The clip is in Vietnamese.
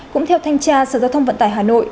cũng theo thanh tra sở giao thông vận tải hà nội